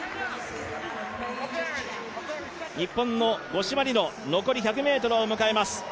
日本の五島莉乃、残り１００ｍを迎えます。